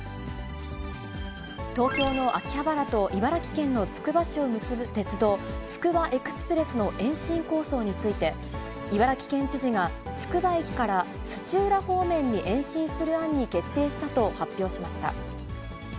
東京の秋葉原と茨城県のつくば市を結ぶ鉄道、つくばエクスプレスの延伸構想について、茨城県知事が、つくば駅から土浦方面に延伸する案に決定したと発表しました。